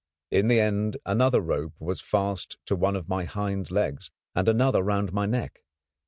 In the end another rope was fast to one of my hind legs, and another round my neck.